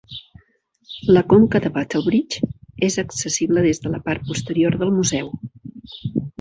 La conca de Battlebridge és accessible des de la part posterior del museu.